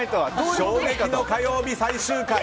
衝撃の火曜日最終回！